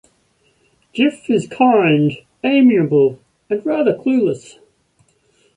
Jiff is kind, amiable and rather clueless.